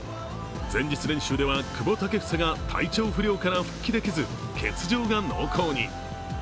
前日練習では久保建英が体調不良から復帰できず欠場が濃厚に。